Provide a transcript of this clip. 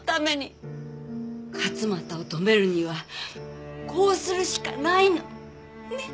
勝又を止めるにはこうするしかないの。ね？